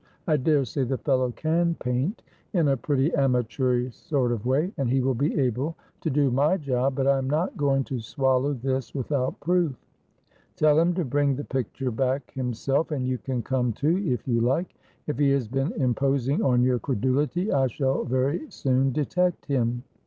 I daresay the fellow can paint in a pretty amateurish sort of way, and he will be able to do my job, but I am not going to swallow this without proof. Tell him to bring the picture back himself, and you can come too if you like. If he has been imposing on your credulity I shall very soon detect him."